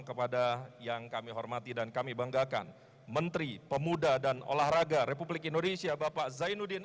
kepada yang kami hormati dan kami banggakan menteri pemuda dan olahraga republik indonesia bapak zainuddin